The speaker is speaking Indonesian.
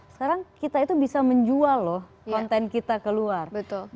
sekarang kita itu bisa menjual loh konten kita keluar